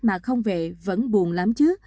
mà không về vẫn buồn lắm chứ